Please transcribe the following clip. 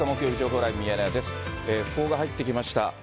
訃報が入ってきました。